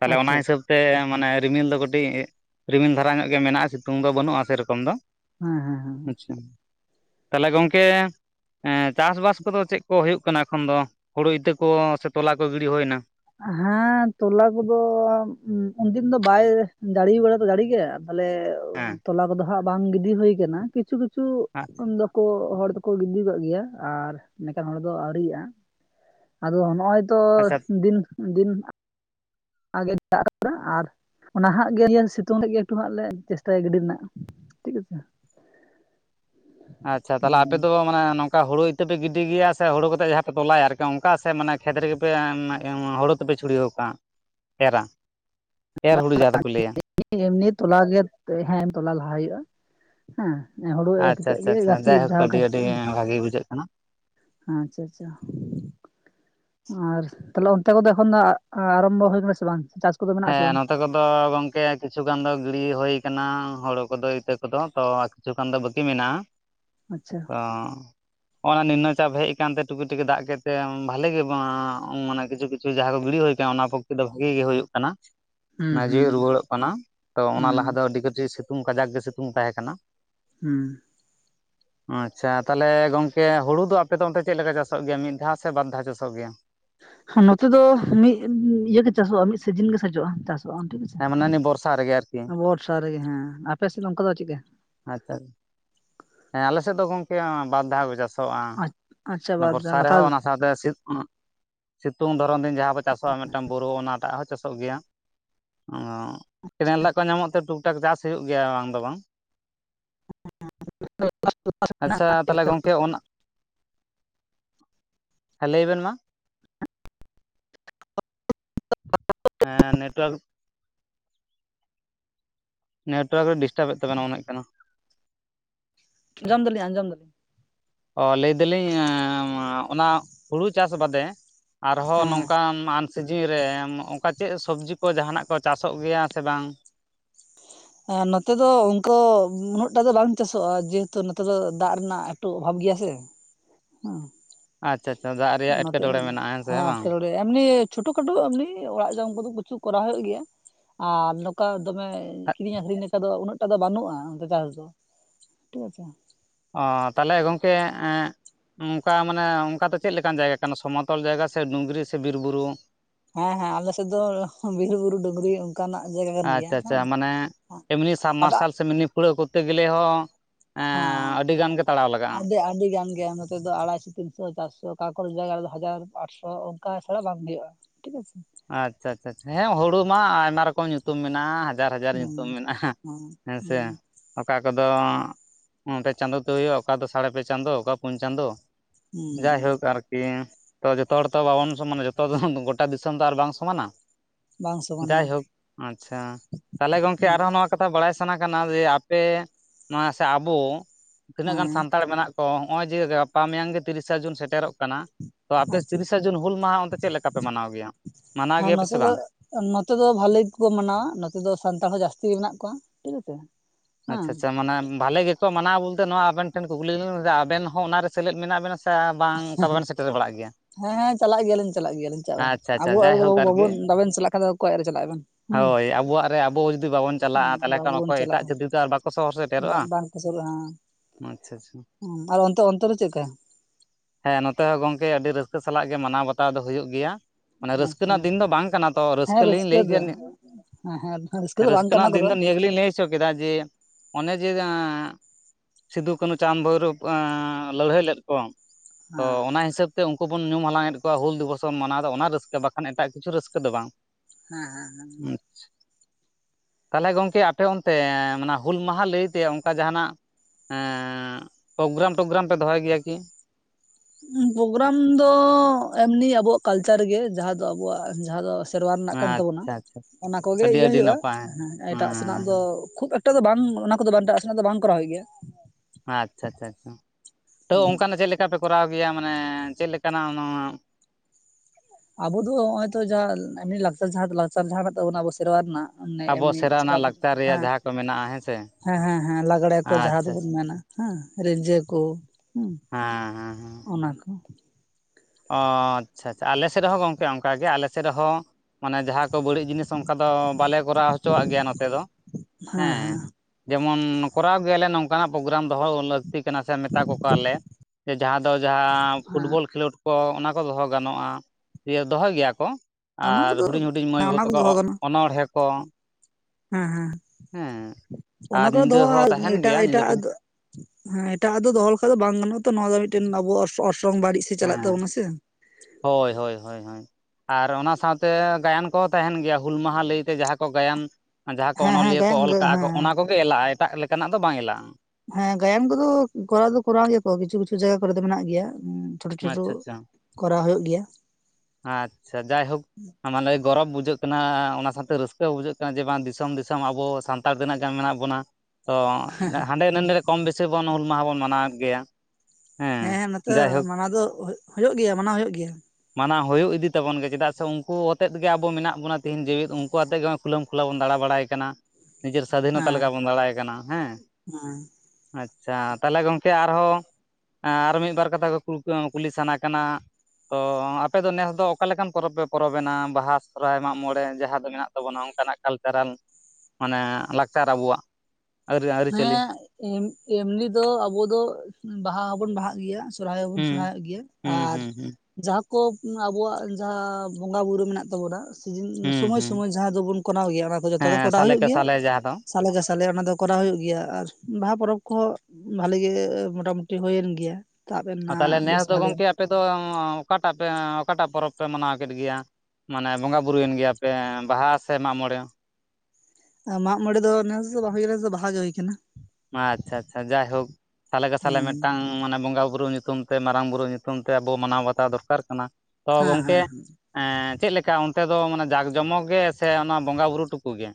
ᱛᱟᱦᱚᱞᱮ ᱚᱱᱟ ᱟᱪᱪᱷᱟ ᱦᱤᱥᱟᱹᱵ ᱛᱮ ᱢᱟᱱᱮ ᱨᱤᱢᱤᱞ ᱫᱚ ᱠᱟᱹᱴᱤᱡ ᱨᱤᱢᱤᱞ ᱫᱷᱟᱨᱟ ᱧᱚᱜ ᱜᱮ ᱢᱮᱱᱟᱜᱼᱟ᱾ ᱥᱤᱛᱩᱝ ᱫᱚ ᱵᱟᱹᱱᱩᱜᱼᱟ᱾ ᱥᱮᱨᱚᱠᱚᱢ ᱫᱚ ᱦᱮᱸ ᱦᱮᱸ ᱦᱮᱸ ᱟᱪᱪᱷᱟ ᱛᱟᱦᱚᱞᱮ ᱜᱚᱝᱠᱮ ᱪᱟᱥᱵᱟᱥ ᱠᱚᱫᱚ ᱪᱮᱫ ᱠᱚ ᱦᱩᱭᱩᱜ ᱠᱟᱱᱟ? ᱦᱩᱭᱩᱜ ᱠᱟᱱᱟ? ᱮᱠᱷᱚᱱ ᱫᱚ ᱦᱳᱲᱩ ᱤᱛᱟᱹ ᱠᱚ ᱥᱮ ᱛᱚᱞᱟ ᱠᱚ ᱜᱤᱰᱤ ᱦᱩᱭᱱᱟ? ᱦᱮᱸ ᱛᱚᱞᱟ ᱠᱚᱫᱚ ᱩᱱᱫᱤᱱ ᱫᱚ ᱵᱟᱭ ᱫᱟᱲᱮ ᱵᱟᱲᱟᱫᱟ ᱡᱟᱲᱤᱜᱮᱼᱟ᱾ ᱵᱚᱞᱮ ᱦᱮᱸ ᱛᱚᱞᱟ ᱠᱚᱫᱚ ᱦᱟᱸᱜ ᱵᱟᱝ ᱜᱤᱰᱤᱤ ᱦᱠ ᱠᱤᱪᱷᱩ ᱠᱤᱪᱷᱩ ᱩᱱ ᱫᱚᱠᱚ ᱦᱚᱲ ᱫᱚᱠᱚ ᱜᱤᱰᱤ ᱠᱟᱜ ᱜᱮᱭᱟ ᱟᱨ ᱱᱠᱟᱱ ᱦᱚᱲ ᱫᱚ ᱟᱹᱣᱨᱤᱭᱟᱜᱼᱟ᱾ ᱟᱫᱚ ᱱᱚᱜ ᱚᱭ ᱛᱚ ᱟᱪᱪᱷᱟ ᱫᱤᱱ ᱫᱤᱱ ᱟᱜᱮ ᱫᱟᱜ ᱨᱩᱣᱲᱟ ᱟᱨ ᱚᱱᱟ ᱦᱟᱸᱜ ᱜᱮ ᱥᱤᱛᱩᱝ ᱨᱮ ᱜᱮ ᱮᱠᱴᱩ ᱞᱮ ᱪᱮᱥᱴᱟᱭᱟ ᱜᱟᱹᱰᱤ ᱨᱮᱱᱟᱜ ᱴᱷᱤᱠ ᱟᱪᱷᱮ [unintelligible] ᱟᱪᱪᱷᱟ ᱛᱟᱦᱚᱞᱮ ᱦᱩᱸ ᱟᱯᱮᱚ ᱢᱟᱱᱮ ᱱᱚᱝᱠᱟ ᱚᱱᱠᱟ ᱦᱩᱲᱩ ᱤᱛᱟᱹ ᱯᱮ ᱜᱤᱰᱤ ᱜᱮᱭᱟ ᱥᱮ ᱦᱩᱲᱩ ᱠᱚ ᱠᱟᱛᱮ ᱡᱟᱦᱟᱸ ᱯᱮ ᱛᱚᱞᱟᱭᱟ ᱟᱨᱠᱤ ᱚᱱᱠᱟ ᱥᱮ ᱢᱟᱱᱮ ᱠᱷᱮᱛ ᱨᱮᱜᱮ ᱦᱩᱲᱩ ᱛᱮᱯᱮ ᱪᱷᱩᱲᱟᱹᱣᱠᱟᱜ ᱮᱨᱟ ᱮᱨ ᱦᱩᱲᱩ ᱡᱟᱦᱟᱸ ᱫᱚᱠᱚ ᱞᱟᱹᱭᱟ ᱮᱢᱱᱤ ᱛᱚᱞᱮ ᱦᱮᱸ ᱮᱢ ᱛᱚᱞᱟ ᱞᱟᱦᱟ ᱦᱩᱭᱩᱜᱼᱟ᱾ ᱦᱩᱲᱩ ᱮᱨ ᱟᱪᱪᱷᱟ ᱠᱟᱛᱮ ᱟᱪᱪᱷᱟ ᱜᱮ ᱟᱪᱪᱷᱟ ᱜᱟᱹᱪᱷᱤ ᱡᱟᱭᱦᱳᱠ ᱡᱟᱦᱟᱸ ᱜ ᱟᱹᱰᱤ ᱟᱹᱰᱤ ᱵᱷᱟᱜᱮ ᱵᱩᱡᱷᱟᱹᱜ ᱠᱟᱱᱟ ᱟᱪᱪᱷᱟ ᱟᱪᱪᱷᱟ ᱟᱨ ᱛᱟᱦᱞᱮ ᱚᱱᱛᱮ ᱠᱚᱫᱚ ᱮᱠᱷᱚᱱ ᱫᱚ ᱟᱨᱟᱢᱵᱚ ᱦᱳᱭ ᱟᱠᱟᱱᱟ ᱥᱮ ᱵᱟᱝ ᱪᱟᱥ ᱠᱚᱫᱚ ᱢᱮᱱᱟᱜ ᱟᱥᱮ ᱦᱮᱸ ᱵᱟᱝ? ᱱᱚᱛᱮ ᱠᱚᱫᱚ ᱜᱚᱝᱠᱮ ᱠᱤᱪᱷᱩ ᱜᱟᱱ ᱫᱚ ᱜᱤᱲᱤ ᱦᱩᱭ ᱟᱠᱟᱱᱟ᱾ ᱦᱳᱲᱩ ᱠᱚᱫᱚ ᱤᱛᱟᱹ ᱠᱚᱫᱚ ᱛᱚ ᱠᱤᱪᱷᱩ ᱜᱟᱱ ᱫᱚ ᱵᱟᱹᱠᱤ ᱢᱮᱱᱟᱜᱼᱟ ᱟᱪᱪᱷᱟ ᱛᱚ ᱦᱚᱜᱭ ᱱᱤᱱᱚ ᱪᱟᱯ ᱦᱮᱡ ᱟᱠᱟᱱᱛᱮ ᱴᱩᱠᱤ ᱴᱟᱠᱤ ᱫᱟᱜ ᱠᱮᱫᱛᱮ ᱵᱷᱷᱟᱞᱮᱜᱮ ᱢᱟᱱᱮ ᱠᱤᱪᱷᱩ ᱠᱤᱪᱷᱩ ᱡᱟᱦᱟᱸ ᱠᱚ ᱜᱤᱲᱰᱤ ᱦᱩᱭ ᱟᱠᱟ ᱚᱱᱟ ᱯᱚᱠᱷᱮ ᱫᱚ ᱵᱷᱟᱜᱤ ᱜᱮ ᱦᱩᱭᱩᱜ ᱠᱟᱱᱟ ᱦᱩᱸ ᱚᱱᱟᱮ ᱡᱤᱣᱮᱫ ᱦᱩᱸ ᱨᱩᱣᱟᱹᱲᱚᱜ ᱠᱟᱱᱟ ᱛᱚ ᱚᱱᱟ ᱞᱟᱦᱟ ᱫᱚ ᱟᱹᱰᱤ ᱠᱟᱹᱴᱤᱡ ᱥᱤᱛᱩᱝ ᱠᱟᱡᱟᱠ ᱜᱮ ᱥᱤᱛᱩᱝ ᱛᱟᱦᱮᱸ ᱠᱟᱱᱟ ᱦᱩᱻ [unintelligible] ᱟᱪᱪᱷᱟ ᱛᱟᱦᱞᱮ ᱜᱚᱝᱠᱮ ᱦᱩᱲᱩ ᱫᱚ ᱟᱯᱮᱫᱚ ᱚᱱᱛᱮ ᱪᱮᱫᱞᱮᱠᱟ ᱪᱟᱥᱚᱜ ᱜᱮᱭᱟ ᱢᱤᱫ ᱫᱷᱟᱣ ᱥᱮ ᱵᱟᱨ ᱫᱷᱟᱣ ᱪᱟᱥᱚᱜ ᱜᱮᱭᱟ ᱱᱚᱛᱮ ᱫᱚ ᱢᱤᱫ ᱤᱭᱟᱹ ᱪᱟᱥᱚᱜᱼᱟ ᱢᱤᱫ ᱥᱤᱡᱟ. ᱱ ᱜᱮ ᱥᱟᱡᱳ-ᱟ ᱪᱟᱥ ᱪᱟᱜ ᱴᱷᱤᱠ ᱟᱪᱷᱮ ᱦᱮᱸ ᱢᱟᱱᱮ ᱱᱤᱭᱟᱹ ᱵᱚᱨᱥᱟ ᱨᱮᱜᱮ ᱟᱨᱠᱤ ᱵᱚᱨᱥᱟ ᱨᱮᱜᱮ ᱦᱮᱸ ᱟᱯᱮ ᱥᱮᱫ ᱫᱚ ᱚᱱᱠᱟ ᱫᱚ ᱪᱮᱫᱠᱟ ᱟᱪᱪᱷᱟ ᱦᱮᱸ ᱟᱞᱮ ᱥᱮᱫ ᱫᱚ ᱜᱚᱢᱠᱮ ᱵᱟᱨ ᱫᱷᱟᱣ ᱜᱮ ᱪᱟᱥᱚᱜᱼᱟ ᱟᱪᱪᱷᱟ ᱵᱟᱫ ᱵᱚᱨᱥᱟ ᱞᱟᱛᱟᱨ ᱨᱮᱦᱚᱸ ᱚᱱᱟ ᱥᱟᱶᱛᱮ ᱥᱤᱛᱩᱝ ᱫᱷᱚᱨᱚᱱ ᱫᱤᱱ ᱡᱟᱦᱟᱸ ᱵᱚ ᱪᱟᱥᱚᱜᱼᱟ ᱢᱤᱫᱴᱮᱱ ᱵᱩᱨᱩ ᱚᱱᱟ ᱴᱟᱜ ᱦᱚᱸ ᱪᱟᱥᱚᱜ ᱜᱮᱭᱟ ᱟ ᱠᱮᱱᱮᱞ ᱫᱟᱜ ᱠᱚ ᱧᱟᱢᱚᱜ ᱛᱮ ᱴᱩ ᱴᱩᱠ ᱴᱟᱠ ᱪᱟᱥ ᱦᱩᱭᱩᱜ ᱜᱮᱭᱟ ᱵᱟᱝ ᱫᱚ ᱵᱟᱝ [unintelligible] ᱟᱪᱪᱷᱟ ᱛᱟᱦᱞᱮ ᱜᱚᱝᱠᱮ ᱚᱱᱟ ᱦᱮᱸ ᱞᱟᱹᱭ ᱵᱮᱱ ᱢᱟ ᱦᱮᱸ ᱱᱮᱴᱣᱟᱨᱠ ᱱᱮᱴᱣᱟᱨᱠ ᱨᱮ ᱰᱤᱥᱴᱟᱨᱵᱽ ᱛᱟᱵᱮᱱᱟ ᱚᱱᱮ ᱠᱟᱱᱟ ᱟᱸᱡᱚᱢ ᱫᱚᱞᱤᱧ ᱟᱸᱡᱚᱢ ᱫᱟ ᱚ ᱞᱟᱹᱭ ᱫᱟᱹᱞᱤᱧ ᱚᱱᱟ ᱦᱩᱲᱩ ᱪᱟᱥ ᱵᱟᱫᱮ ᱟᱨᱦᱚᱸ ᱦᱮᱸ ᱱᱚᱝᱠᱟᱱ ᱟᱱ ᱥᱤᱡᱤᱱ ᱨᱮ ᱚᱱᱠᱟ ᱪᱮᱫ ᱥᱚᱵᱽᱡᱤ ᱠᱚ ᱡᱟᱦᱟᱱᱟᱜ ᱠᱚ ᱪᱟᱥᱚᱜ ᱜᱮᱭᱟ ᱥᱮ ᱵᱟᱝ ᱱᱚᱛᱮ ᱫᱚ ᱚᱱᱠᱟ ᱩᱱᱟᱹᱜ ᱴᱟ ᱫᱚ ᱵᱟᱝ ᱪᱟᱥᱚᱜᱼᱟ ᱡᱮᱦᱮᱛᱩ ᱱᱚᱛᱮ ᱫᱚ ᱫᱟᱜ ᱨᱮᱱᱟᱜ ᱮᱠᱴᱩ ᱵᱷᱟ ᱜᱮᱭᱟ ᱥᱮ ᱦᱮᱸ ᱟᱪᱪᱷᱟ ᱟᱪᱪᱷᱟ ᱫᱟᱜ ᱨᱮᱭᱟᱜ ᱚᱱᱟᱛᱮ ᱮᱴᱠᱮᱴᱚᱬᱮ ᱢᱮᱱᱟᱜᱼᱟ ᱥᱮ ᱦᱮᱸ ᱵᱟᱝ ᱨᱴᱠᱮ ᱴᱚᱬᱮ ᱮᱢᱱᱤ ᱪᱷᱳᱴᱳ ᱠᱟᱴᱳ ᱮᱢᱱᱤ ᱚᱲᱟᱜ ᱡᱚᱢ ᱠᱚᱫᱚ ᱠᱤᱪᱷᱩ ᱠᱚᱨᱟᱣ ᱦᱩᱭᱩᱜ ᱜᱮᱭᱟ ᱟᱨ ᱱᱚᱝᱠᱟ ᱫᱚᱢᱮ ᱠᱤᱨᱤᱧ ᱟᱹᱠᱷᱨᱤᱧ ᱞᱮᱠᱟ ᱫᱚ ᱩᱱᱟᱹᱜ ᱴᱟ ᱫᱚ ᱵᱟᱹᱱᱩᱜᱼᱟ ᱪᱟᱥ ᱫᱚ ᱴᱷᱤᱠ ᱟᱪᱪᱷᱟ ᱚ ᱛᱟᱦᱞᱮ ᱜᱚᱢᱠᱮ ᱧ ᱚᱱᱠᱟ ᱢᱟᱱᱮ ᱚᱱᱠᱟ ᱫᱚ ᱪᱮᱫ ᱞᱮᱠᱟᱱ ᱡᱟᱭᱜᱟ ᱠᱟᱱᱟ ᱥᱚᱢᱚᱛᱚᱞ ᱡᱟᱭᱜᱟ ᱥᱮ ᱰᱩᱝᱨᱤ ᱥᱮ ᱵᱤᱨᱼᱵᱩᱨᱩ ᱦᱮᱸ ᱦᱮᱸ ᱟᱞᱮ ᱥᱮᱫ ᱫᱚ ᱵᱤᱨ ᱵᱩᱨᱩ ᱰᱩᱝᱨᱤ ᱚᱱᱠᱟᱱᱟᱜ ᱡᱟᱭᱜᱟ ᱠᱟᱱ ᱜᱮᱭᱟ ᱟᱪᱪᱷᱟ ᱦᱮᱸ ᱟᱪᱪᱷᱟ ᱢᱟᱱᱮ ᱮᱢᱱᱤ ᱟᱫᱚ ᱥᱟᱵᱢᱟᱨᱥᱟᱞ ᱥᱮ ᱮᱢᱱᱤ ᱯᱷᱲᱟᱹ ᱠᱚᱨᱛᱮ ᱜᱮᱞᱮ ᱦᱚᱸ ᱦᱮᱸ ᱟᱹᱰᱤᱜᱟᱱ ᱠᱟ ᱠᱟᱛᱮ ᱟᱹᱰᱤ ᱟᱹᱰᱤᱜᱟᱱ ᱜᱮᱭᱟ ᱱᱚᱛᱮ ᱫᱚ ᱟᱲᱟᱭᱥᱚ ᱛᱤᱱᱥᱚ ᱪᱟᱨᱥᱚ ᱚᱠᱟ ᱠᱳᱨᱮ ᱡᱟᱭᱜᱟ ᱨᱮᱫᱚ ᱦᱟᱡᱟᱨ ᱟᱴᱥᱚ ᱚᱱᱠᱟ ᱟᱪᱷᱟᱲᱟ ᱵᱟᱝ ᱦᱩᱭᱩᱜᱼᱟ ᱴᱷᱤᱠ ᱟᱪᱷᱮ ᱟᱪᱪᱷᱟ ᱟᱪᱪᱷᱟ ᱦᱮᱸ ᱦᱩᱲᱩ ᱢᱟ ᱟᱭᱢᱟ ᱨᱚᱠᱚᱢ ᱧᱩᱛᱩᱢ ᱢᱮᱱᱟᱜᱼᱟ ᱦᱟᱡᱟᱨ ᱦᱩᱸ ᱧᱩᱛᱩᱢ ᱢᱮᱱᱟᱜᱼᱟ ᱦᱩᱸ ᱦᱮᱸᱥᱮ ᱦᱩᱸ ᱚᱠᱟ ᱠᱚᱫᱚ ᱚᱫᱚ ᱯᱮ ᱪᱟᱸᱫᱚ ᱛᱮ ᱦᱩᱭᱩᱜᱼᱟ ᱚᱠᱟ ᱫᱚ ᱥᱟᱲᱮ ᱯᱮ ᱪᱟᱸᱫᱚ ᱚᱠᱟ ᱯᱩᱱ ᱪᱟᱸᱫᱚ ᱦᱩᱸ ᱡᱟᱭᱦᱳᱠ ᱟᱨᱠᱤ ᱛᱚ ᱡᱚᱛᱚ ᱦᱚᱲ ᱛᱚ ᱵᱟᱵᱚᱱ ᱥᱚᱢᱟᱱᱟ ᱢᱟᱱᱮ ᱡᱚᱛᱚ ᱜᱚᱴᱟ ᱫᱤᱥᱚᱢ ᱫᱤᱥᱚᱢ ᱫᱚ ᱟᱨ ᱵᱟᱝ ᱥᱚᱢᱟᱱᱟ᱾ ᱵᱟᱝ ᱥᱚᱢᱟᱱᱟ ᱡᱟᱭᱦᱳᱠ ᱟᱪᱪᱷᱟ ᱛᱟᱦᱞᱮ ᱜᱚᱝᱠᱮ ᱟᱨᱦᱚᱸ ᱱᱚᱣᱟ ᱠᱟᱛᱷᱟ ᱵᱟᱲᱟᱭ ᱥᱟᱱᱟ ᱠᱟᱱᱟ ᱡᱮ ᱟᱯᱮ ᱱᱚᱣᱟ ᱥᱮ ᱟᱵᱚ ᱛᱤᱱᱟᱹᱜ ᱜᱟᱱ ᱦᱮᱸ ᱥᱟᱱᱛᱟᱲ ᱢᱮᱱᱟᱜ ᱠᱚ ᱱᱚᱜᱼᱚᱭ ᱡᱮ ᱜᱟᱯᱟ ᱢᱮᱭᱟᱝ ᱜᱮ ᱛᱤᱨᱤᱥᱟ ᱡᱩᱱ ᱥᱮᱴᱮᱨᱚᱜ ᱠᱟᱱᱟ ᱛᱚ ᱟᱯᱮ ᱟᱪᱪᱷᱟ ᱛᱤᱨᱤᱥᱟ ᱡᱩᱱ ᱦᱩᱞ ᱢᱟᱦᱟ ᱚᱱᱛᱮ ᱪᱮᱫ ᱞᱮᱠᱟ ᱯᱮ ᱢᱟᱱᱟᱣ ᱜᱮᱭᱟ ᱢᱟᱱᱟᱣ ᱦᱮᱸ ᱜᱮᱭᱟ ᱯᱮ ᱱᱚᱛᱮ ᱥᱮ ᱵᱟᱝ ᱫᱚ ᱱᱚᱛᱮ ᱫᱚ ᱵᱟᱹᱞᱤ ᱜᱮᱠᱚ ᱢᱟᱱᱟᱣᱟ ᱱᱚᱛᱮ ᱫᱚ ᱥᱟᱱᱛᱟᱲ ᱦᱚᱸ ᱡᱟᱹᱥᱛᱤ ᱜᱮ ᱢᱮᱱᱟᱜ ᱠᱚᱣᱟ ᱢᱮᱱᱟᱜ ᱠᱚᱣᱟ ᱴᱤᱠ ᱟᱪᱷᱮ ᱦᱮᱸ ᱟᱪᱪᱷᱟ ᱟᱪᱪᱷᱟ ᱢᱟᱱᱮ ᱵᱷᱟᱞᱮ ᱜᱮᱛᱚ? ᱢᱟᱱᱟᱣ ᱵᱚᱞᱛᱮ ᱱᱚᱣᱟ ᱟᱵᱮᱱ ᱴᱷᱮᱱ ᱠᱩᱠᱞᱤ ᱞ ᱞᱮᱫᱟ ᱟᱵᱮᱱ ᱦᱚᱸ ᱚᱱᱟᱨᱮ ᱥᱮᱞᱮᱫ ᱢᱮᱱᱟᱜ ᱵᱮᱱᱟ ᱥᱮ ᱵᱟᱝ ᱚᱠᱟ ᱵᱟᱵᱮᱱ ᱥᱮᱴᱮᱨ ᱵᱟᱲᱟᱜ ᱜᱮᱭᱟ᱾ ᱦᱮᱸ ᱦᱮᱸ ᱪᱟᱞᱟᱜ ᱜᱮᱭᱟᱞᱤᱧ ᱪᱟᱞᱟᱜ ᱜᱮᱭᱟᱞᱤᱧ ᱪᱟᱜ ᱵᱟᱝ ᱟᱪᱪᱷᱟ ᱟᱪᱪᱷᱟ ᱟᱵᱚᱣᱟᱜ ᱫᱚ ᱡᱟᱭᱦᱳᱠ ᱟᱨᱠᱤ ᱵᱟᱵᱚᱱ ᱵᱟᱵᱮᱱ ᱪᱟᱞᱟᱜ ᱠᱷᱟᱱ ᱫᱚ ᱚᱠᱚᱭᱟᱜ ᱨᱮ ᱪᱟᱞᱟᱜᱼᱟ ᱵᱮᱱ ᱦᱮᱸ ᱟᱵᱚᱣᱟᱜ ᱨᱮ ᱟᱵᱚ ᱡᱩᱫᱤ ᱵᱟᱵᱚᱱ ᱪᱟᱞᱟᱜᱼᱟ ᱛᱟᱦᱚᱞᱮ ᱠᱷᱟᱱ ᱵᱟᱵᱚᱱ ᱚᱠᱚᱭ ᱪᱟᱞᱟᱜᱼᱟ ᱮᱴᱟᱜ ᱡᱟᱹᱛᱤ ᱫᱚ ᱵᱟᱠᱚ ᱥᱚᱦᱚᱨ ᱥᱮᱴᱮᱨᱚᱜᱼᱟ᱾ ᱵᱟᱝ ᱵᱟᱝ ᱯᱚᱥᱚᱨᱚᱜᱼᱟ ᱟᱪᱪᱷᱟ ᱟᱪᱪᱷᱟ ᱟᱨ ᱚᱱ ᱚᱱᱛᱮ ᱨᱮ ᱪᱮᱫ ᱞᱮᱠᱟ ᱦᱮᱸ ᱱᱚᱛᱮ ᱦᱚᱸ ᱜᱚᱝᱠᱮ ᱟᱹᱰᱤ ᱨᱟᱹᱥᱠᱟᱹ ᱥᱟᱞᱟᱜ ᱜᱮ ᱢᱟᱱᱟᱣ ᱵᱟᱛᱟᱣ ᱫᱚ ᱦᱩᱭᱩᱜ ᱜᱮᱭᱟ᱾ ᱢᱟᱱᱮ ᱨᱟᱹᱥᱠᱟᱹ ᱟᱪᱪᱷᱟ ᱨᱮᱱᱟᱜ ᱫᱤᱱ ᱫᱚ ᱵᱟᱝ ᱠᱟᱱᱟ ᱛᱚ ᱦᱮᱸ ᱨᱟᱹᱥᱠᱟᱹ ᱞᱤᱧ ᱞᱟᱹᱭ ᱫᱚ ᱜᱮᱭᱟ ᱦᱮᱸ ᱦᱮᱸ ᱫᱚ ᱵᱟᱝ ᱨᱟᱹᱥᱠᱟᱹ ᱠᱟᱱᱟ ᱨᱮᱱᱟᱜ ᱫᱤᱱ ᱠᱚᱫᱚ ᱫᱚ ᱚ ᱱᱤᱭᱟᱹ ᱜᱮᱞᱤᱧ ᱞᱟᱹᱭ ᱚᱪᱚ ᱠᱮᱫᱟ ᱡᱮ ᱚᱱᱮ ᱡᱮ ᱥᱤᱫᱩ ᱠᱟᱹᱱᱩ ᱪᱟᱸᱫᱽ ᱵᱷᱟᱭᱨᱚ ᱞᱟᱹᱲᱦᱟᱹᱭ ᱞᱮᱫ ᱠᱚ ᱛᱚ ᱦᱮᱸ ᱚᱱᱟ ᱦᱤᱥᱟᱹᱵᱽ ᱛᱮ ᱩᱱᱠᱩ ᱩᱱᱵᱚᱱ ᱧᱩᱢ ᱦᱟᱞᱟᱝ ᱮᱫ ᱠᱚᱣᱟ ᱦᱩᱞ ᱫᱤᱵᱚᱥ ᱵᱚᱱ ᱢᱟᱱᱟᱣᱫᱟ ᱚᱱᱟ ᱨᱟᱹᱥᱠᱟᱹ ᱵᱟᱠᱷᱟᱱ ᱮᱴᱟᱜ ᱠᱤᱪᱷᱩ ᱨᱟᱹᱥᱠᱟᱹ ᱫᱚ ᱵᱟᱝ᱾ ᱦᱮᱸ ᱦᱮᱸ ᱦᱮᱸ ᱛᱟᱦᱚᱞᱮ ᱜᱚᱝᱠᱮ ᱟᱯᱮ ᱚᱱᱛᱮ ᱦᱩᱞ ᱢᱟᱦᱟ ᱞᱟᱹᱭᱛᱮ ᱚᱱᱠᱟ ᱡᱟᱦᱟᱱᱟᱜ ᱦᱮᱸ ᱯᱨᱳᱜᱽᱨᱟᱢ ᱴᱳᱜᱽᱨᱟᱢ ᱯᱮ ᱫᱚᱦᱚᱭ ᱜᱮᱭᱟ ᱠᱤ ᱯᱳᱜᱽᱨᱟᱢ ᱫᱚ ᱮᱢᱱᱤ ᱟᱵᱚᱣᱟᱜ ᱠᱟᱞᱪᱟᱨ ᱜᱮ ᱡᱟᱦᱟᱸ ᱫᱚ ᱟᱵᱚᱣᱟᱜ ᱡᱟᱦᱟᱸ ᱫᱚ ᱥᱮᱨᱣᱟ ᱨᱮᱱᱟᱜ ᱠᱟᱱ ᱛᱟᱵᱚᱱᱟ ᱟᱪᱪᱷᱟ ᱟᱪᱪᱷᱟ ᱚᱱᱟ ᱠᱚᱜᱮ ᱟᱹᱰᱤ ᱤᱭᱟᱹ ᱟᱹᱰᱤ ᱦᱩᱭᱩᱜᱼᱟ ᱱᱟᱯᱟᱭ ᱦᱮᱸ ᱦᱮ ᱮᱴᱟᱜ ᱥᱮᱱᱟᱜ ᱫᱚ ᱠᱷᱩᱵ ᱮ ᱮᱴᱟᱜ ᱫᱚ ᱵᱟᱝ ᱚᱱᱟ ᱠᱚᱫᱚ ᱵᱟᱝ ᱴᱟᱜ ᱥᱮ ᱚᱱᱟ ᱫᱚ ᱵᱟᱝ ᱠᱚᱨᱟᱣ ᱦᱩᱭᱩᱜ ᱜᱮᱭᱟ ᱟᱪᱷᱟ ᱪᱷᱟ ᱪᱷᱟ ᱛᱚ ᱚᱱᱠᱟᱱᱟᱜ ᱪᱮᱫ ᱞᱮᱠᱟ ᱯᱮ ᱠᱚᱨᱟᱣ? ᱭᱟ ᱢᱟᱱᱮ ᱪᱮᱫ ᱞᱮᱠᱟᱱᱟᱜ ᱚᱱᱟ? ᱟᱵᱚ ᱫᱚ ᱱᱚᱜᱼᱚᱭ ᱛᱚ ᱡᱟᱦᱟᱸ ᱞᱟᱠᱪᱟᱨ ᱡᱟᱦᱟ ᱞᱟᱠᱪᱟᱨ ᱡᱟᱦᱟᱸ ᱴᱟᱜ ᱛᱟᱵᱚᱱᱟ ᱟᱵᱚ ᱥᱮᱨᱣᱟ ᱨᱮᱱᱟᱜ ᱮᱢ ᱟᱵᱚ ᱥᱮᱨᱣᱟ ᱪ ᱨᱮᱱᱟᱜ ᱞᱟᱠᱪᱟᱨ ᱨᱮᱭᱟᱜ ᱦᱮᱸ ᱡᱟᱦᱟᱸ ᱠᱚ ᱢᱮᱱᱟᱜᱼᱟ ᱦᱮᱸᱥᱮ [unintelligible] ᱦᱮᱸ ᱦᱮᱸ ᱦᱮᱸ ᱞᱟᱜᱽᱲᱮ ᱠᱚ ᱟᱪᱪᱷᱟ ᱡᱟᱦᱟᱸ ᱟᱪᱪᱷᱟ, ᱫᱚᱵᱚᱱ ᱢᱮᱱᱟ ᱦᱮᱸ ᱨᱤᱡᱟᱹ ᱠᱚ ᱦᱩ ᱦᱮᱸ ᱦᱮᱸ ᱦᱮᱸ ᱚᱱᱟ ᱠᱚ ᱚ ᱟᱪᱪᱷᱟ ᱟᱪᱪᱷᱟ ᱟᱞᱮ ᱥᱮᱫ ᱨᱮᱦᱚᱸ ᱜᱚᱝᱠᱮ ᱚᱱᱠᱟᱜᱮ ᱟᱞᱮ ᱥᱮᱫ ᱨᱮᱦᱚᱸ ᱢᱟᱱᱮ ᱡᱟᱦᱟᱸ ᱵᱟᱹᱲᱤᱡ ᱡᱤᱱᱤᱥ ᱚᱱᱠᱟ ᱫᱚ ᱵᱟᱞᱮ ᱠᱚᱨᱟᱣ ᱦᱚᱪᱚᱣᱟᱜ ᱜᱮᱭᱟ ᱱᱚᱛᱮ ᱫᱚ ᱦᱮᱸ ᱡᱮᱢᱚᱱ ᱠᱚᱨᱟᱣ ᱜᱮᱭᱟᱞᱮ ᱱᱚᱝᱠᱟᱱᱟᱜ ᱯᱨᱳᱜᱨᱟᱢ ᱫᱚᱦᱚ ᱞᱟᱠ ᱞᱟᱹᱠᱛᱤ ᱠᱟᱱᱟ ᱥᱮ ᱢᱮᱛᱟ ᱠᱚ ᱠᱟᱞᱮ ᱡᱟᱦᱟᱸ ᱫᱚ ᱡᱟᱦᱟᱸ ᱦᱮᱸ ᱯᱷᱩᱴᱵᱚᱞ ᱠᱷᱮᱞᱳᱰ ᱠᱚ ᱚᱱᱟ ᱠᱚ ᱫᱚᱦᱚ ᱜᱟᱱᱚᱜᱼᱟ ᱮ ᱫᱚᱦᱚ ᱜᱮᱭᱟ ᱠᱚ ᱚᱱᱟ ᱟᱨ ᱠᱚᱫᱚ ᱦᱩᱰᱤᱧ ᱦᱩᱰᱤᱧ ᱢᱟᱹᱭ ᱦᱮᱸ ᱵᱟᱹᱵᱩ ᱚᱱᱟ ᱠᱚ ᱫᱚᱦᱚ ᱛᱟᱠᱚ ᱜᱟᱱᱚᱜᱼᱟ ᱚᱱᱚᱲᱦᱮ ᱠᱚ ᱦᱮᱸ ᱦᱮᱸ ᱦᱮᱸ ᱚᱱᱟ ᱟᱨ ᱠᱚᱨᱮ ᱧᱤᱫᱟᱹ ᱫᱚᱦᱚ ᱦᱚᱸ ᱛᱟᱦᱮᱱ ᱮᱴᱟᱜ ᱜᱮᱭᱟ ᱧᱤᱫᱟᱹ ᱦᱮᱸ ᱮᱴᱟᱜ ᱦᱮᱸ ᱮᱴᱟᱜ ᱫᱚᱦᱚ ᱞᱮᱠᱷᱟᱡ ᱫᱚ ᱵᱟᱝ ᱜᱟᱱᱚᱜᱼᱟ ᱛᱚ ᱱᱚᱣᱟ ᱫᱚ ᱢᱤᱫᱴᱮᱱ ᱟᱵᱚ ᱟᱜ ᱚ ᱚᱨ ᱥᱚᱝ ᱵᱟᱹᱲᱤᱡ ᱥᱮᱫ ᱪᱟᱞᱟᱜ ᱛᱟᱵᱚᱱᱟ ᱥᱮ ᱦᱳᱭ ᱦᱳᱭ ᱦᱳᱭ ᱦᱳᱭ ᱟᱨ ᱚᱱᱟ ᱥᱟᱶᱛᱮ ᱜᱟᱭᱟᱱ ᱠᱚᱦᱚᱸ ᱛᱟᱦᱮᱱ ᱜᱮᱭᱟ ᱦᱩᱞ ᱢᱟᱦᱟ ᱞᱟᱹᱭᱛᱮ ᱡᱟᱦᱟᱸ ᱠᱚ ᱜᱟᱭᱟᱱ ᱡᱟᱦᱟᱸ ᱠᱚ ᱦᱮᱸ ᱦᱮᱸ ᱚᱱᱚᱞᱤᱭᱟᱹ ᱠᱚ ᱜᱟᱭᱟᱱ ᱚᱞ ᱠᱟᱜᱼᱟ ᱠᱚ ᱦᱮᱸ ᱚᱱᱟ ᱠᱚᱜᱮ ᱮᱞᱟᱜᱼᱟ ᱮᱴᱟᱜ ᱞᱮᱠᱟᱱᱟᱜ ᱫᱚ ᱵᱟᱝ ᱮᱞᱟᱜᱼᱟ ᱦᱮᱸ ᱜᱟᱭᱟᱱ ᱠᱚᱫᱚ ᱠᱚᱨᱟᱣ ᱫᱚ ᱠᱚᱨᱟᱣ ᱜᱮᱭᱟ ᱠᱚ ᱠᱤᱪᱷᱩ ᱠᱤᱪᱷᱩ ᱡᱟᱭᱜᱟ ᱠᱚᱨᱮ ᱫᱚ ᱢᱮᱱᱟᱜ ᱜᱮᱭᱟ ᱪᱷᱳᱴᱳ ᱪᱷᱳᱴᱳ ᱟᱪᱪᱷᱟ ᱟᱪᱪᱷᱟ ᱠᱚᱨᱟᱣ ᱦᱩᱭᱩᱜ ᱜᱮᱭᱟ ᱟᱪᱪᱷᱟ ᱡᱟᱭᱦᱳᱠ ᱢᱟᱱᱮ ᱜᱚᱨᱚᱵ ᱵᱩᱡᱷᱟᱹᱜ ᱠᱟᱱᱟ ᱚᱱᱟ ᱥᱟᱛᱮ ᱨᱟᱹᱥᱠᱟᱹ ᱵᱩᱡᱷᱟᱹᱜ ᱠᱟᱱᱟ ᱡᱮ ᱵᱟᱝ ᱫᱤᱥᱚᱢ ᱫᱤᱥᱚᱢ ᱟᱵᱚ ᱥᱟᱱᱛᱟᱲ ᱛᱤᱱᱟᱹᱜ ᱜᱟᱱ ᱢᱮᱱᱟᱜ ᱵᱚᱱᱟ ᱛᱚ ᱦᱟᱸᱰᱮ ᱱᱟᱰᱮ ᱠᱚᱢ ᱵᱮᱥᱤ ᱵᱚᱱ ᱦᱩᱞ ᱢᱟᱦᱟ ᱵᱚᱱ ᱢᱟᱱᱟᱣᱮᱫ ᱜᱮᱭᱟ ᱦᱮᱸ ᱦᱮᱸ ᱱᱚᱛᱮ ᱢᱟᱱᱟᱣ ᱫᱚ ᱦᱩᱭᱩᱜ ᱜᱮᱭᱟ ᱢᱟᱱᱟᱣ ᱦᱩᱭᱩᱜ ᱜᱮᱭᱟ ᱢᱟᱱᱟᱣ ᱦᱩᱭᱩᱜ ᱤᱫᱤ ᱛᱟᱵᱚᱱ ᱜᱮ ᱪᱮᱫᱟᱜ ᱥᱮ ᱩᱱᱠᱩ ᱦᱚᱛᱮᱜ ᱜᱮ ᱟᱵᱚ ᱢᱮᱱᱟᱜ ᱵᱚᱱᱟ ᱛᱮᱦᱤᱧ ᱡᱮᱣᱤᱫ ᱩᱱᱠᱩ ᱟᱛᱮᱜ ᱜᱮᱵ ᱠᱩᱞᱟᱹᱢ ᱚᱞᱟ ᱵᱚᱱ ᱫᱟᱬᱟ ᱵᱟᱲᱟᱭ ᱠᱟᱱᱟ ᱱᱤᱡᱮᱨ ᱥᱟᱹᱫᱷᱤᱱᱚᱛᱟ ᱦᱮᱸ ᱞᱮᱠᱟ ᱵᱚᱱ ᱫᱟᱬᱟᱭ ᱠᱟᱱᱟ ᱦᱮᱸ ᱦᱮᱸ ᱟᱪ ᱟᱪᱪᱷᱟ ᱛᱟᱦᱚᱞᱮ ᱜᱚᱢᱠᱮ ᱟᱨᱦᱚᱸ ᱟᱨᱚ ᱢᱤᱫ ᱵᱟᱨ ᱠᱟᱛᱷᱟ ᱠᱚ ᱠᱩᱞᱤ ᱥᱟᱱᱟ ᱠᱟᱱᱟ ᱛᱚ ᱟᱯᱮ ᱫᱚ ᱱᱮᱥ ᱫᱚ ᱚᱠᱟ ᱞᱮᱠᱟᱱ ᱯᱚᱨᱚᱵᱽ ᱯᱮ ᱯᱚᱨᱚᱵᱮᱱᱟ ᱵᱟᱦᱟ ᱥᱚᱦᱨᱟᱭ ᱢᱟᱜ ᱢᱚᱬᱮ ᱡᱟᱦᱟᱸ ᱫᱚ ᱢᱮᱱᱟᱜ ᱛᱟᱵᱚᱱᱟ ᱚᱱᱠᱟᱱᱟᱜ ᱠᱟᱞᱪᱟᱨᱟᱞ ᱢᱟᱱᱮ ᱞᱟᱠᱪᱟᱨ ᱟᱵᱚᱣᱟᱜ ᱟᱹᱨᱤ ᱟᱹᱨᱤᱪᱟᱹᱞᱤ ᱦᱮᱸ ᱮᱢᱱᱤ ᱫᱚ ᱟᱵᱚ ᱫᱚ ᱵᱟᱦᱟ ᱦᱚᱵᱚᱱ ᱵᱟᱦᱟᱜ ᱜᱮᱭᱟ ᱥᱚᱨᱦᱟᱭ ᱦᱚᱸᱵᱚᱱ ᱦᱩᱸ ᱥᱚᱨᱦᱟᱭᱚᱜ ᱜᱮᱭᱟ ᱦᱩᱸ ᱟᱨ ᱦᱩᱸ ᱦᱩᱸ ᱡᱟᱦᱟᱸ ᱟᱵᱚ ᱟᱵᱚᱣᱟᱜ ᱡᱟᱦᱟᱸ ᱵᱚᱸᱜᱟ ᱵᱩᱨᱩ ᱢᱮᱱᱟᱜ ᱛᱟᱵᱚᱱᱟ ᱦᱩᱸ ᱥᱚᱢᱚᱭ ᱦᱩᱸ ᱥᱚᱢᱚᱭ ᱡᱟᱦᱟᱸ ᱫᱚᱵᱚᱱ ᱠᱚᱨᱟᱣ ᱜᱮᱭᱟ ᱚᱱᱟ ᱠᱚ ᱡᱚᱛᱚ ᱜᱮ ᱦᱮᱸ ᱠᱚᱨᱟᱣ ᱥᱟᱞᱮ ᱦᱩᱭᱩᱜ ᱠᱮ ᱜᱮᱭᱟ ᱥᱟᱞᱮ ᱡᱟᱦᱟᱸ ᱫᱚ ᱥᱟᱞᱮ ᱜᱮ ᱥᱟᱞᱮ ᱚᱱᱟ ᱫᱚ ᱠᱚᱨᱟᱣ ᱦᱩᱭᱩᱜ ᱜᱮᱭᱟ ᱟᱨ ᱵᱟᱦᱟ ᱯᱚᱨᱚᱵᱽ ᱠᱚᱦᱚᱸ ᱵᱷᱟᱞᱤ ᱜᱮ ᱢᱳᱚᱴᱟᱢᱩᱴᱤ ᱦᱩᱭᱮᱱ ᱜᱮᱭᱟ ᱛᱟᱵ ᱮᱱᱟ ᱛᱟᱦᱞᱮ ᱱᱮᱥ ᱵᱮᱥ ᱫᱚ ᱵᱷᱟᱞᱤ ᱜᱮ᱾ ᱜᱚᱢᱠᱮ ᱟᱯᱮ ᱫᱚ ᱚᱠᱟᱴᱟᱜ ᱯᱮ ᱚᱠᱟᱴᱟᱜ ᱯᱚᱨᱚᱵᱽ ᱯᱮ ᱢᱟᱱᱟᱣ ᱠᱮᱫ ᱜᱮᱭᱟ ᱢᱟᱱᱮ ᱵᱚᱸᱜᱟᱼᱵᱩᱨᱩᱭᱮᱱ ᱜᱮᱭᱟ ᱯᱮ ᱵᱟᱦᱟ ᱥᱮ ᱢᱟᱜ ᱢᱚᱬᱮ ᱢᱟᱜ ᱢᱚᱬᱮ ᱫᱚ ᱱᱮᱥ ᱫᱚ ᱵᱟᱝ ᱦᱩᱭ ᱠᱟᱱᱟ ᱵᱟᱦᱟ ᱜᱮ ᱦᱩᱭ ᱠᱟᱱᱟ ᱟᱪᱪᱷᱟ ᱟᱪᱪᱷᱟ ᱡᱟᱭᱦᱳᱠ ᱥᱟᱞᱮ ᱜᱮ ᱥᱟᱞᱮ ᱦᱮᱸ ᱢᱤᱫᱴᱟᱝ ᱢᱟᱱᱮ ᱵᱚᱸᱜᱟ ᱵᱩᱨᱩ ᱧᱩᱛᱩᱢ ᱢᱟᱨᱟᱝ ᱵᱩᱨᱩ ᱧᱩᱛᱩᱢ ᱛᱮ ᱟᱵᱚ ᱢᱟᱱᱟᱣ ᱵᱟᱛᱟᱣ ᱫᱚᱨᱠᱟᱨ ᱠᱟᱱᱟ ᱛᱚ ᱦᱮᱸ ᱜᱚᱢᱠᱮ ᱦᱮᱸ ᱮ ᱪᱮᱫ ᱞᱮᱠᱟ ᱚᱱᱛᱮ ᱫᱚ ᱢᱟᱱᱮ ᱡᱚᱢᱚᱠ ᱜᱮ ᱥᱮ ᱚᱱᱟ ᱵᱚᱸᱜᱟᱼ ᱵᱩᱨᱩ ᱴᱩᱠᱩ ᱜᱮ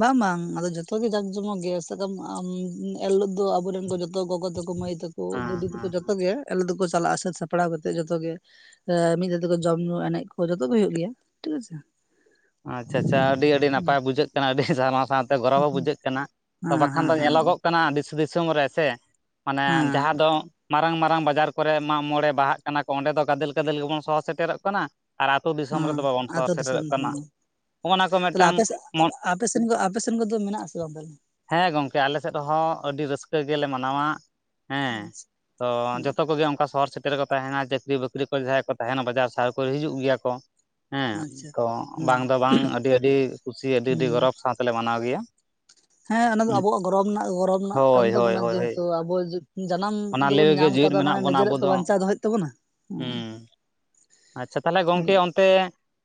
ᱵᱟᱝ ᱵᱟᱝ ᱟᱫᱚ ᱡᱚᱛᱚᱜ ᱜᱮ ᱡᱟᱠ ᱡᱚᱢᱚᱠ ᱜᱮᱭᱟ ᱥᱟᱢ ᱟᱵᱚᱨᱮᱱ ᱠᱚ ᱡᱚᱛᱚ ᱜᱚᱜᱚ ᱛᱟᱠᱚ ᱢᱟᱹᱭ ᱛᱟᱠᱚ ᱫᱤᱫᱤ ᱛᱟᱠᱚ ᱦᱮᱸ ᱡᱚᱛᱚ ᱜᱮ ᱟᱞᱮ ᱫᱚᱠᱚ ᱪᱟᱞᱟᱜ ᱥᱟᱹᱛ ᱥᱟᱯᱲᱟᱣ ᱠᱟᱛᱮᱜ ᱡᱚᱛᱚ ᱜᱮ ᱮᱸ ᱢᱤᱫ ᱫᱷᱟᱣ ᱛᱮᱠᱚ ᱡᱚᱢ ᱧᱩ ᱮᱱᱮᱡ ᱠᱚ ᱡᱚᱛᱚ ᱜᱮ ᱦᱳᱭᱳᱜ ᱜᱮᱭᱟ ᱴᱷᱤᱠ ᱟᱪᱷᱮ ᱟᱪᱪᱷᱟ ᱟᱪᱪᱷᱟ ᱟᱹᱰᱤ ᱟᱹᱰᱤ ᱦᱩᱸ ᱱᱟᱯᱟᱭ ᱵᱩᱡᱷᱟᱹᱜ ᱠᱟᱱᱟ ᱟᱹᱰᱤ ᱡᱟᱦᱟᱱᱟ ᱥᱟᱶᱛᱮ ᱜᱚᱨᱚᱵᱚ ᱦᱚᱸ ᱦᱩᱸ ᱵᱩᱡᱷᱟᱹᱜ ᱠᱟᱱᱟ ᱛᱚ ᱦᱮᱸ ᱵᱟᱠᱷᱟᱱ ᱦᱮᱸ ᱫᱚ ᱦᱮᱸ ᱧᱮᱞᱚᱜᱚᱜ ᱠᱟᱱᱟ ᱫᱤᱥ ᱫᱤᱥᱚᱢ ᱨᱮᱥᱮ ᱢᱟᱱᱮ ᱦᱮᱸ ᱡᱟᱦᱟᱸ ᱫᱚ ᱢᱟᱨᱟᱝ ᱢᱟᱨᱟᱝ ᱵᱟᱡᱟᱨ ᱠᱚᱨᱮ ᱢᱟᱜ ᱢᱚᱬᱮ ᱵᱟᱦᱟᱜ ᱠᱟᱱᱟ ᱠᱚ ᱚᱸᱰᱮ ᱫᱚ ᱜᱟᱫᱮᱞ ᱜᱟᱫᱮᱞ ᱜᱮᱵᱚᱱ ᱥᱚᱦᱚ ᱥᱮᱴᱮᱨᱚᱜ ᱠᱟᱱᱟ ᱟᱨ ᱟᱛᱳ ᱫᱤᱥᱚᱢ ᱦᱮᱸ ᱨᱮᱫᱚ ᱵᱟᱵᱚᱱ ᱥᱚᱦᱚᱨ ᱟᱹᱛᱩ ᱫᱤᱥᱚᱢ ᱥᱮᱴᱮᱨᱚᱜ ᱠᱟᱱᱟ ᱦᱮᱸ ᱦᱚᱜᱼᱚ ᱱᱟ ᱠᱚ ᱛᱟᱦᱞᱮ ᱢᱤᱫᱴᱟᱝ ᱟᱯᱮ ᱥᱮᱫ ᱢᱚᱱ ᱟᱯᱮ ᱥᱮᱱ ᱟᱯᱮ ᱥᱮᱱ ᱠᱚᱫᱚ ᱢᱮᱱᱟᱜ ᱟᱥᱮ [unintelligible] ᱦᱮᱸ ᱜᱚᱝᱠᱮ ᱟᱞᱮ ᱥᱮᱫ ᱦᱚᱸ ᱟᱹᱰᱤ ᱨᱟᱹᱥᱠᱟᱹ ᱜᱮᱞᱮ ᱢᱟᱱᱟᱣᱟ ᱦᱮᱸ ᱟᱪᱪᱷᱟ ᱛᱚ ᱦᱩᱸ ᱡᱚᱛᱚ ᱠᱚᱜᱮ ᱚᱱᱠᱟ ᱥᱚᱦᱚᱨ ᱥᱮ- ᱚᱱᱛᱮ ᱨᱮᱠᱚ ᱛᱟᱦᱮᱱᱟ ᱪᱟᱹᱠᱨᱤ ᱵᱟᱹᱠᱨᱤ ᱠᱚ ᱡᱟᱦᱟᱸᱭ ᱠᱚ ᱛᱟᱦᱮᱱᱟ ᱵᱟᱡᱟᱨ ᱥᱟᱦᱟᱨ ᱠᱚᱨᱮ ᱦᱤᱡᱩᱜ ᱜᱮᱭᱟ ᱠᱚ ᱦᱮᱸ ᱟᱪᱪᱷᱟ ᱛᱚ ᱦᱩᱸ ᱵᱟᱝ ᱫᱚ ᱵᱟᱝ ᱟᱹᱰᱤ ᱟᱹᱰᱤ ᱠᱩᱥᱤ ᱟᱹᱰᱤ ᱟᱹᱰᱤ ᱦᱩᱸ ᱜᱚᱨᱚᱵᱽ ᱥᱟᱶ ᱛᱮᱞᱮ ᱢᱟᱱᱟᱣ ᱜᱮᱭᱟ᱾ ᱦᱮᱸ ᱚᱱᱟ ᱫᱚ ᱟᱵᱚᱣᱟᱜ ᱜᱚᱨᱚᱵ ᱨᱮᱱᱟᱜ ᱜᱚᱨᱚᱵ ᱨᱮᱱᱟᱜ ᱠᱟᱱ ᱦᱳᱭ ᱦᱳᱭ ᱛᱟᱵᱚᱱᱟ ᱦᱳᱭ ᱦᱳᱭ ᱡᱮᱦᱩᱛᱩ ᱟᱵᱚ ᱡᱟᱱᱟᱢ ᱚᱱᱟ ᱞᱟᱹᱭ ᱫᱚᱵᱚᱱ ᱜᱮ ᱧᱟᱢ ᱡᱮᱣᱮᱫ ᱠᱟᱫᱟ ᱢᱟᱱᱮ ᱢᱮᱱᱟᱜ ᱵᱚᱱᱟ ᱟᱵᱚ ᱱᱤᱡᱮᱨᱟᱜ ᱛᱚ ᱫᱚ ᱵᱟᱧᱪᱟᱣ ᱫᱚᱦᱚᱭ ᱦᱳᱭᱳᱜ ᱛᱟᱵᱚᱱᱟ ᱦᱩ ᱦᱩᱸ ᱟᱪᱪᱷᱟ ᱛᱟᱦᱚᱞᱮ ᱜᱚᱝᱠᱮ ᱚᱱᱛᱮ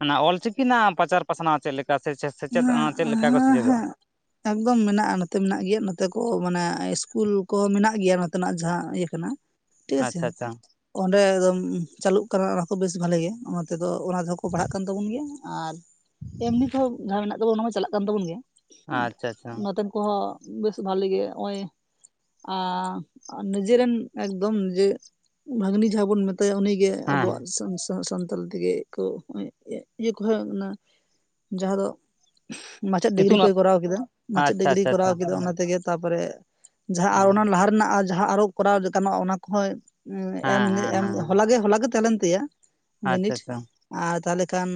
ᱚᱱᱟ ᱚᱞᱪᱤᱠᱤ ᱨᱮᱱᱟᱜ ᱯᱟᱪᱟᱨ ᱯᱟᱥᱱᱟᱣ ᱪᱮᱫ [unintelligible] ᱥᱮᱪᱮᱫ ᱪᱮᱫ ᱦᱮᱸ ᱞᱮᱠᱟ ᱠᱚ ᱦᱮᱸ ᱥᱮᱪᱮᱫᱚᱜᱼᱟ ᱦᱮᱸ ᱮᱠᱫᱚᱢ ᱢᱮᱱᱟᱜᱼᱟ ᱱᱚᱛᱮ ᱢᱮᱱᱟᱜ ᱜᱮᱭᱟ ᱱᱚᱛᱮ ᱠᱚ ᱢᱟᱱᱮ ᱤᱥᱠᱩᱞ ᱠᱚ ᱢᱮᱱᱟᱜ ᱜᱮᱭᱟ ᱱᱚᱛᱮᱱᱟᱜ ᱡᱟᱦᱟᱸ ᱤᱭᱟᱹ ᱠᱟᱱᱟ, ᱴᱷᱤᱠ ᱟᱪᱷᱮ ᱟᱪᱪᱷᱟ ᱟᱪᱪᱷᱟ ᱚᱸᱰᱮ [unintelligible] ᱪᱟᱹᱞᱩᱜ ᱠᱟᱱᱟ ᱚᱱᱟ ᱠᱚ ᱵᱮᱥ ᱵᱷᱟᱞᱮ ᱜᱮ ᱚᱱᱟ ᱛᱮᱫᱚ ᱚᱱᱟ ᱛᱮᱦᱚᱸ ᱠᱚ ᱯᱟᱲᱦᱟᱜ ᱠᱟᱱ ᱛᱟᱵᱚᱱ ᱜᱮᱭᱟ ᱟᱨ ᱮᱢᱱᱤ ᱛᱮᱦᱚᱸ ᱡᱟᱦᱟᱸ ᱢᱮᱱᱟᱜ ᱛᱟᱵᱚ ᱚᱱᱟ ᱢᱟ ᱪᱟᱞᱟᱜ ᱠᱟᱱ ᱛᱟᱵᱚᱱ ᱜᱮ ᱟᱪᱪᱷᱟ ᱟᱪᱪᱷᱟ ᱱᱚᱛᱮᱱ ᱠᱚᱦᱚᱸ ᱵᱮᱥ ᱵᱷᱟᱞᱮ ᱜᱮ ᱱᱚᱜ-ᱚᱭ ᱟ ᱱᱤᱡᱮᱨᱮᱱ ᱮᱠᱫᱚᱢ ᱡᱮ ᱵᱷᱟᱹᱜᱱᱤ ᱡᱟᱦᱟᱸ ᱵᱚᱱ [unintelligible] [unintelligible] ᱩᱱᱤᱜᱮ ᱦᱮᱸ ᱟᱵᱚᱣᱟᱜ [unintelligible] ᱥᱟᱱᱛᱟᱞ ᱛᱮᱜᱮ ᱠᱚ ᱤᱭᱟᱹ ᱠᱚ ᱦᱮᱜ ᱠᱟᱱᱟ ᱡᱟᱦᱟᱸ ᱫᱚ ᱢᱟᱪᱮᱫ ᱰᱤᱜᱽᱨᱤ ᱤᱛᱩᱱ ᱠᱚᱭ ᱠᱚᱨᱟᱣ ᱠᱮᱫᱟ, ᱢᱟᱪᱮᱫ ᱟᱪᱪᱷᱟ ᱰᱤᱜᱽᱨᱤᱭ ᱟᱪᱪᱷᱟ ᱠᱚᱨᱟᱣ ᱟᱪᱪᱷᱟ ᱠᱮᱫᱟ, ᱦᱮᱸ ᱚᱱᱟ ᱛᱮᱜᱮ ᱛᱟᱯᱚᱨᱮ ᱡᱟᱦᱟᱸ ᱟᱨ ᱦᱮᱸ ᱚᱱᱟ ᱞᱟᱦᱟ ᱨᱮᱱᱟᱜ ᱡᱟᱦᱟᱸ ᱟᱨᱚ ᱠᱚᱨᱟᱣ ᱞᱮᱠᱟᱱᱟᱜ ᱚᱱᱟ ᱠᱚᱦᱚᱭ ᱮᱢᱱᱤ ᱦᱮᱸ ᱮᱢᱱᱤ ᱦᱮᱸ ᱦᱚᱞᱟ ᱜᱮ ᱦᱚᱞᱟ ᱜᱮ ᱛᱟᱦᱮᱸ ᱞᱮᱱ ᱛᱟᱭᱟ ᱟᱪᱪᱷᱟ ᱵᱤᱱᱤᱴ ᱟᱪᱪᱷᱟ ᱟᱨ ᱛᱟᱦᱞᱮ ᱠᱷᱟᱱ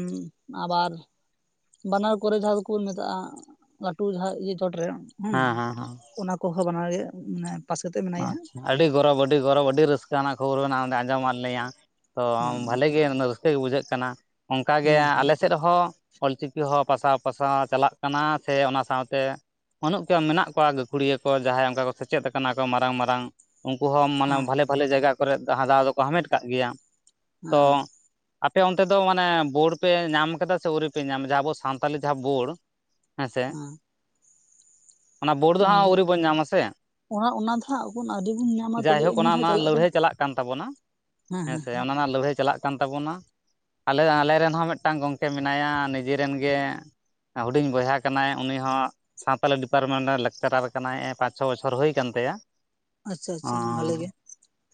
ᱟᱵᱟᱨ ᱵᱟᱱᱟᱨ ᱠᱚᱨᱮ ᱡᱟᱦᱟᱸ ᱫᱚᱠᱚ ᱢᱮᱛᱟᱜᱼᱟ ᱞᱟᱹᱴᱩ ᱡᱟᱦᱟᱸ ᱪᱚᱴ ᱨᱮ ᱦᱮᱸ ᱦᱩᱸ ᱦᱮᱸ ᱦᱮᱸ ᱚᱱᱟ ᱠᱚᱦᱚᱸ ᱵᱟᱱᱟᱨ ᱜᱮ ᱢᱟᱱᱮ ᱯᱟᱥ ᱠᱟᱛᱮᱜ ᱢᱮᱱᱟᱭᱟ ᱦᱟᱸᱜ ᱟᱪᱪᱷᱟ ᱟᱹᱰᱤ ᱜᱚᱨᱚᱵᱽ ᱟᱹᱰᱤ ᱜᱚᱨᱚᱵᱽ ᱟᱹᱰᱤ ᱨᱟᱹᱥᱠᱟᱹ ᱟᱱᱟᱜ ᱠᱷᱚᱵᱚᱨ ᱢᱮᱱᱟᱜᱼᱟ ᱟᱡᱚᱢ ᱟᱜ ᱞᱤᱧᱟ ᱛᱚ ᱦᱩᱸ ᱵᱷᱟᱞᱮ ᱜᱮ ᱱᱩᱱᱟᱹᱜ ᱨᱟᱹᱥᱠᱟᱹ ᱜᱮ ᱵᱩᱡᱷᱟᱹᱜ ᱠᱟᱱᱟ ᱚᱱᱠᱟᱜᱮ ᱦᱩᱸ ᱟᱞᱮ ᱥᱮᱫ ᱨᱮᱦᱚᱸ ᱚᱞ ᱪᱤᱠᱤ ᱦᱚᱸ ᱯᱟᱥᱟ ᱯᱟᱥᱟᱣ ᱪᱟᱞᱟᱜ ᱠᱟᱱᱟ ᱥᱮ ᱚᱱᱟ ᱥᱟᱶᱛᱮ ᱵᱟᱹᱱᱩᱜ [unintelligible] ᱢᱮᱱᱟᱜ ᱠᱚᱣᱟ ᱜᱟᱠᱷᱩᱲᱤᱭᱟᱹ ᱠᱚ ᱡᱟᱦᱟᱭ ᱚᱱᱠᱟ ᱠᱚ ᱥᱮᱪᱮᱫ ᱟᱠᱟᱱᱟ ᱢᱟᱨᱟᱝ ᱢᱟᱨᱟᱝ ᱩᱱᱠᱩ ᱦᱚᱸ ᱢᱟᱱᱮ ᱦᱮᱸ ᱵᱷᱟᱞᱮ ᱵᱷᱟᱞᱮ ᱡᱟᱭᱜᱟ ᱠᱚᱨᱮᱫ ᱫᱟᱣ ᱫᱚᱠᱚ ᱦᱟᱢᱮᱴ ᱠᱟᱜ ᱜᱮᱭᱟ ᱛᱚ ᱮᱸ ᱟᱯᱮ ᱚᱱᱛᱮ ᱫᱚ ᱢᱟᱱᱮ ᱵᱳᱲ ᱯᱮ ᱧᱟᱢ ᱠᱟᱫᱟ ᱥᱮ ᱟᱹᱣᱨᱤ ᱯᱮ ᱧᱟᱢᱫᱟ ᱡᱟᱦᱟᱸ ᱟᱵᱚ ᱥᱟᱱᱛᱟᱞᱤ ᱡᱟᱦᱟᱸ ᱵᱳᱲ ᱦᱮᱸ ᱥᱮ ᱚᱱᱟ ᱵᱳᱲ ᱫᱚ ᱦᱟᱜ ᱟᱣᱨᱤ ᱵᱚᱱ ᱧᱟᱢ ᱟᱥᱮ ᱚᱱᱟ ᱚᱱᱟ ᱫᱚ ᱦᱟᱸᱜ ᱮᱠᱷᱚᱱ ᱟᱹᱣᱨᱤ ᱵᱚᱱ ᱧᱟᱢᱟ ᱡᱟᱭ ᱛᱚᱵᱮ ᱦᱳᱠ ᱮᱢᱱᱤ ᱚᱱᱟ ᱡᱟᱦᱟᱸ ᱨᱮᱱᱟᱜ ᱠᱟᱱᱟ ᱞᱟᱹᱲᱦᱟᱹᱭ ᱪᱟᱞᱟᱜ ᱠᱟᱱ ᱛᱟᱵᱚᱱᱟ ᱦᱮᱸ ᱦᱮᱸ ᱦᱮᱸᱥᱮ ᱚᱱᱟ ᱨᱮᱱᱟᱜ ᱞᱟᱹᱲᱦᱟᱹᱭ ᱪᱟ- ᱪᱟᱞᱟᱜ ᱠᱟᱱ ᱛᱟᱵᱚᱱᱟ ᱟᱞᱮ ᱟᱞᱮ ᱨᱮᱱ ᱦᱚᱸ ᱢᱤᱫᱴᱟᱝ ᱜᱚᱢᱠᱮ ᱢᱮᱱᱟᱭᱟ ᱱᱤᱡᱮ ᱨᱮᱱ ᱜᱮ ᱦᱩᱰᱤᱧ ᱵᱚᱭᱦᱟ ᱠᱟᱱᱟᱭ ᱩᱱᱤ ᱦᱚᱸ ᱥᱟᱶᱛᱟᱞᱤ ᱰᱤᱯᱟᱨᱴᱢᱮᱱᱴ ᱨᱮᱱ ᱞᱮᱠᱪᱟᱨᱟᱨ ᱠᱟᱱᱟᱭ [unintelligible] ᱯᱟᱸᱪᱼᱪᱷᱚ ᱵᱚᱪᱷᱚᱨ ᱦᱳᱭ ᱠᱟᱱ ᱛᱟᱭᱟ ᱟᱪᱪᱷᱟ ᱟᱪᱪᱷᱟ ᱵᱷᱟᱞᱮ ᱜᱮ᱾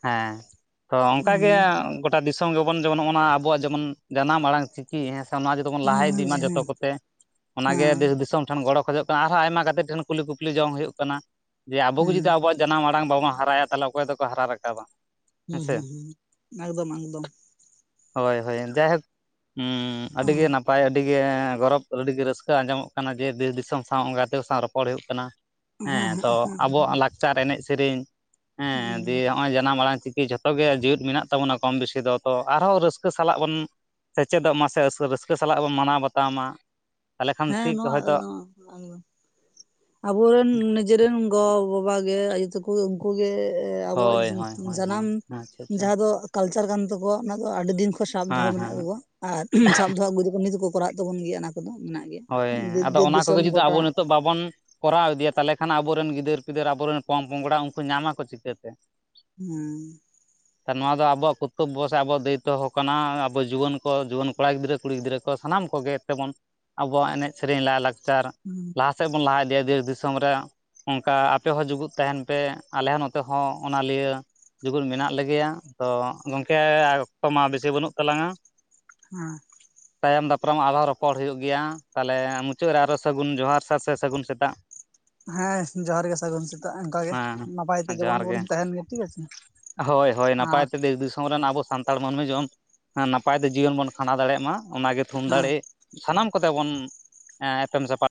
ᱦᱮᱸ ᱛᱚ ᱚᱝᱠᱟ ᱜᱮ ᱦᱮᱸ ᱜᱚᱴᱟ ᱫᱤᱥ- ᱫᱤᱥᱚᱢ ᱜᱮᱵᱚᱱ ᱡᱮᱢᱚᱱ ᱱᱚᱜ-ᱚ ᱱᱟ ᱟᱵᱚᱣᱟᱜ ᱡᱮᱢᱚᱱ ᱡᱟᱱᱟᱢ ᱟᱲᱟᱝ ᱪᱤᱠᱤ ᱦᱮᱸ ᱚᱱᱟ ᱜᱮ ᱵᱚᱱ ᱞᱟᱦᱟ ᱤᱫᱤ ᱢᱟ ᱦᱮᱸ ᱡᱚᱛᱚ ᱠᱚᱛᱮ ᱚᱱᱟ ᱜᱮ ᱦᱮᱸ ᱫᱮᱥ ᱫᱤᱥᱚᱢ ᱴᱷᱮᱱ ᱜᱚᱲᱚ ᱠᱷᱚᱡᱚᱜ ᱠᱟᱱᱟ ᱟᱨᱦᱚᱸ ᱟᱭᱢᱟ ᱜᱟᱛᱮ ᱴᱷᱮᱱ ᱠᱩᱞᱤ ᱠᱩᱯᱞᱤ ᱡᱚᱢ ᱦᱳᱭᱳᱜ ᱠᱟᱱᱟ ᱡᱮ ᱟᱵᱚ ᱜᱮ ᱡᱩᱫᱤ ᱦᱩᱸ ᱟᱵᱚᱣᱟᱜ ᱡᱟᱱᱟᱢ ᱟᱲᱟᱝ ᱵᱟᱵᱚᱱ ᱦᱟᱨᱟᱭᱟ ᱛᱟᱦᱚᱞᱮ ᱚᱠᱚᱭ ᱫᱚᱠᱚ ᱦᱟᱨᱟ ᱨᱟᱠᱟᱵᱟ᱾ ᱦᱩ ᱦᱮᱸᱥᱮ ᱦᱩ ᱦᱩ ᱮᱠᱫᱚᱢ ᱮᱠᱫᱚᱢ ᱦᱳᱭ ᱦᱳᱭ ᱡᱟᱭᱦᱳᱠ ᱩ ᱟᱹᱰᱤ ᱜᱮ ᱦᱮᱸ ᱱᱟᱯᱟᱭ ᱟᱹᱰᱤ ᱟᱹᱰᱤ ᱜᱚᱨᱚᱵᱽ, ᱟᱹᱰᱤᱜᱮ ᱨᱟᱹᱥᱠᱟᱹ ᱟᱡᱚᱢᱚᱜ ᱠᱟᱱᱟ ᱡᱮ ᱫᱮᱥ ᱫᱤᱥᱚᱢ ᱥᱟᱶ ᱜᱟᱛᱮ ᱥᱟᱶ ᱨᱚᱯᱚᱲ ᱦᱳᱭᱳᱜ ᱠᱟᱱᱟ᱾ ᱦᱮᱸ ᱛᱚ ᱟᱵᱚᱣᱟᱜ ᱞᱟᱠᱪᱟᱨ ᱮᱱᱮᱡ ᱥᱮᱨᱮᱧ ᱦᱮᱸ ᱫᱤᱭᱮ ᱦᱚᱜᱼᱚᱭ ᱡᱟᱱᱟᱢ ᱟᱲᱟᱝ ᱪᱤᱠᱤ ᱡᱷᱚᱛᱚᱜᱮ ᱡᱮᱣᱮᱫ ᱢᱮᱱᱟᱜ ᱛᱟᱵᱚᱱᱟ ᱠᱚᱢ ᱵᱮᱥᱤ ᱫᱚ ᱛᱚ ᱟᱨᱦᱚᱸ ᱨᱟᱹᱥᱠᱟᱹ ᱥᱟᱞᱟᱜ ᱵᱚᱱ ᱥᱮᱪᱮᱫᱚᱜ ᱢᱟ ᱥᱮ ᱨᱟᱹᱥᱠᱟᱹ ᱥᱟᱞᱟᱜ ᱵᱚᱱ ᱢᱟᱱᱟᱣ ᱵᱟᱛᱟᱣ ᱢᱟ᱾ ᱛᱟᱦᱚᱞᱮ ᱠᱷᱟᱱ ᱦᱮᱸ ᱴᱷᱤᱠ ᱱᱚᱣᱟ ᱦᱚᱭᱛᱳ ᱮᱠᱫᱚᱢ ᱮᱠᱫᱚᱢ᱾ ᱟᱵᱚᱨᱮᱱ ᱱᱤᱡᱮᱨᱮᱱ ᱜᱚ - ᱵᱟᱵᱟ ᱜᱮ ᱟᱭᱩ ᱛᱟᱠᱚ ᱩᱝᱠᱩ ᱜᱮ ᱥᱮ ᱟᱵᱚᱣᱟᱜ ᱦᱳᱭ ᱦᱳᱭ ᱦᱳᱭ ᱦᱳᱭ ᱡᱟᱱᱟᱢ ᱟᱪᱪᱷᱟ ᱟᱪᱪᱷᱟ ᱡᱟᱦᱟᱸ ᱫᱚ ᱠᱟᱞᱪᱟᱨ ᱠᱟᱱ ᱛᱟᱠᱚᱣᱟ ᱚᱱᱟ ᱫᱚ ᱟᱹᱰᱤ ᱫᱤᱱ ᱠᱷᱚᱱ ᱥᱟᱵ ᱫᱚᱦᱚ ᱦᱮᱸ ᱢᱮᱱᱟᱜ ᱦᱮᱸ ᱛᱟᱠᱚᱣᱟ ᱟᱨ ᱥᱟᱵ ᱫᱚᱦᱚ ᱟᱹᱜᱩ ᱮᱫᱟᱠᱚ ᱱᱤᱛ ᱫᱚᱠᱚ ᱠᱚᱨᱟᱜ ᱛᱟᱵᱚᱱ ᱜᱮᱭᱟ᱾ ᱚᱱᱟ ᱠᱚᱫᱚ ᱢᱮᱱᱟᱜ ᱜᱮᱭᱟ ᱦᱳᱭ ᱟᱫᱚ ᱫᱮᱥ ᱚᱱᱟ ᱠᱚᱜᱮ ᱫᱤᱥᱚᱢ ᱡᱩᱫᱤ ᱜᱚᱴᱟ ᱟᱵᱚ ᱱᱤᱛᱚᱜ ᱵᱟᱵᱚᱱ ᱠᱚᱨᱟᱣ ᱤᱫᱤᱭᱟ ᱛᱟᱦᱚᱞᱮ ᱠᱷᱟᱱ ᱟᱵᱚᱨᱮᱱ ᱜᱤᱫᱟᱹᱨ ᱯᱤᱫᱟᱹᱨ ᱟᱵᱚᱨᱮᱱ ᱯᱚᱝᱼ ᱯᱚᱝᱲᱟ ᱩᱱᱠᱩ ᱧᱟᱢᱟ ᱠᱚ ᱪᱤᱠᱟᱹᱛᱮ ᱦᱮᱸ ᱱᱚᱣᱟ ᱫᱚ ᱟᱵᱚᱣᱟᱜ ᱠᱚᱨᱛᱚᱵᱽᱵᱚ ᱥᱮ ᱟᱵᱚᱣᱟᱜ ᱫᱟᱹᱭᱤᱛᱛᱚ ᱠᱟᱱᱟ᱾ ᱟᱵᱚ ᱡᱩᱣᱟᱹᱱ ᱠᱚ ᱡᱩᱣᱟᱹᱱ ᱠᱚᱲᱟ ᱜᱤᱫᱽᱨᱟᱹ ᱠᱩᱲᱤ ᱜᱤᱫᱽᱨᱟᱹ ᱠᱚ ᱥᱟᱱᱟᱢ ᱠᱚ ᱟᱵᱚᱣᱟᱜ ᱮᱱᱮᱡ ᱥᱮᱨᱮᱧ ᱞᱟᱭᱼᱞᱟᱠᱪᱟᱨ ᱦᱮᱸ ᱞᱟᱦᱟ ᱥᱮᱫ ᱵᱚᱱ ᱞᱟᱦᱟ ᱤᱫ ᱫᱮᱥ ᱫᱤᱥᱚᱢ ᱨᱮ ᱚᱱᱠᱟ ᱟᱯᱮ ᱦᱚᱸ ᱡᱩᱜᱩᱫ ᱛᱟᱦᱮᱱ ᱯᱮ ᱟᱞᱮ ᱦᱚᱸ ᱱᱚᱛᱮ ᱦᱚᱸ ᱚᱱᱟ ᱞᱤᱭᱟᱹ ᱡᱩᱜᱩᱫ ᱢᱮᱱᱟᱜ ᱞᱮᱜᱮᱭᱟ ᱛᱚ ᱜᱚᱢᱠᱮ ᱚᱠᱛᱚ ᱢᱟ ᱵᱮᱥᱤ ᱵᱟᱹᱱᱩᱜ ᱛᱟᱞᱟᱝᱟ ᱦᱮᱸ ᱛᱟᱭᱚᱢ ᱫᱟᱯᱨᱟᱢ ᱟᱨᱦᱚᱸ ᱨᱚᱯᱚᱲ ᱦᱩᱭᱩᱜ ᱜᱮᱭᱟ ᱛᱟᱦᱚᱞᱮ ᱢᱩᱪᱟᱹᱫ ᱨᱮ ᱟᱨ ᱦᱚᱸ ᱥᱟᱹᱜᱩᱱ ᱡᱚᱦᱟᱨ ᱥᱟᱨ ᱥᱮ ᱥᱟᱹᱜᱩᱱ ᱥᱮᱛᱟᱜ ᱦᱮᱸ ᱡᱚᱦᱟᱨ ᱜᱮ ᱥᱟᱹᱜᱩᱱ ᱥᱮᱛᱟᱜ ᱚᱱᱠᱟᱜᱮ ᱱᱟᱯᱟᱭ ᱛᱮ ᱦᱮᱸ ᱡᱮᱢᱚᱱ ᱡᱚᱦᱟᱨ ᱵᱚᱱ ᱛᱟᱦᱮᱱ ᱜᱮ ᱴᱷᱤᱠ ᱟᱪᱷᱮ ᱦᱳᱭ ᱦᱳᱭ ᱱᱟᱯᱟᱭ ᱟᱨ ᱛᱮ ᱫᱮᱥ ᱫᱤᱥᱚᱢ ᱨᱮᱱ ᱟᱵᱚᱥ ᱥᱟᱱᱛᱟᱲ ᱢᱟᱹᱱᱢᱤ ᱡᱮᱢᱚᱱ ᱱᱟᱯᱟᱭ ᱛᱮ ᱡᱤᱭᱚᱱ ᱵᱚᱱ ᱠᱷᱟᱸᱰᱟᱣ ᱫᱟᱲᱮᱭᱟᱜ ᱢᱟ ᱚᱱᱟᱜᱮ ᱛᱷᱩᱢ ᱦᱮᱸ ᱫᱟᱲᱮ᱾ ᱥᱟᱱᱟᱢ ᱠᱚᱛᱮ ᱵᱚᱱ ᱮᱯᱮᱢ ᱥᱟᱯᱲ